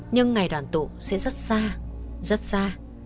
nhưng ngày đoàn tụ sẽ rất xa rất xa